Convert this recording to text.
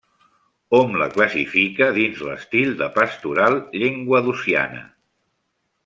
Hom la classifica dins l'estil de pastoral llenguadociana.